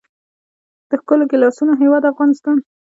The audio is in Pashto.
د ښکلو ګیلاسونو هیواد افغانستان.